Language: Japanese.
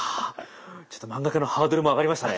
ちょっと漫画家のハードルも上がりましたね。